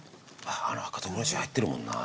あの赤唐辛子入ってるもんな。